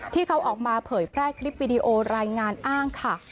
ที่เขาออกมาเผยแพร่คลิปวิดีโอรายงานอ้างค่ะ